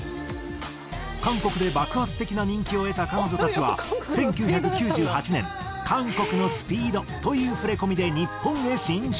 韓国で爆発的な人気を得た彼女たちは１９９８年「韓国のＳＰＥＥＤ」という触れ込みで日本へ進出。